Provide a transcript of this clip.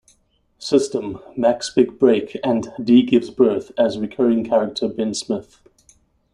System", "Mac's Big Break", and "Dee Gives Birth" as recurring character Ben Smith.